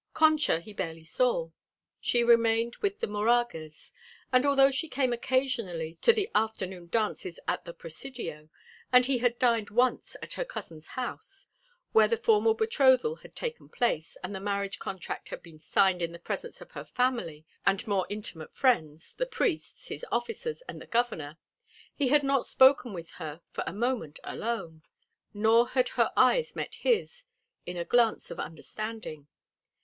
Concha he barely saw. She remained with the Moragas, and although she came occasionally to the afternoon dances at the Presidio, and he had dined once at her cousin's house, where the formal betrothal had taken place and the marriage contract had been signed in the presence of her family and more intimate friends, the priests, his officers, and the Governor, he had not spoken with her for a moment alone. Nor had her eyes met his in a glance of understanding.